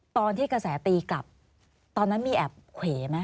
ตอนที่กระแสตีกลับตอนนั้นมีแอบเขวไหม